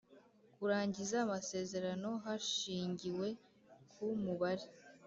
Kurangiza amasezerano hashingiwe ku mubare